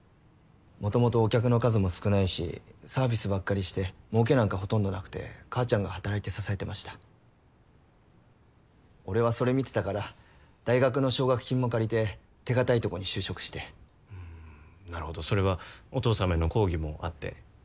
もともとお客の数も少ないしサービスばっかりしてもうけなんかほとんどなくて母ちゃんが働いて支えてました俺はそれ見てたから大学の奨学金も借りて手堅いとこに就職してうーんなるほどそれはお父さまへの抗議もあって？